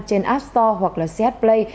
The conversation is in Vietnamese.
trên app store hoặc là ch play